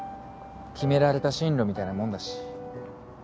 決められた進路みたいなもんだし。